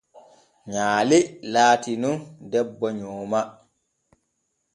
Nyaale latii nun debbo nyooma.